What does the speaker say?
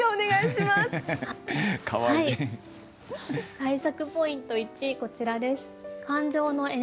改作ポイント１こちらです。